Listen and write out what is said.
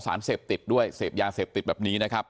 สารเสพติดด้วยเสพยาเสพติดแบบนี้นะครับ